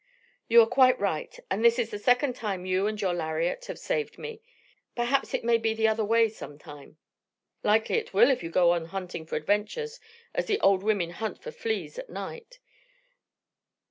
"You are quite right. And this is the second time you and your lariat have saved me. Perhaps it may be the other way some time." "Likely it will if you go on hunting for adventures as the old women hunt for fleas of a night.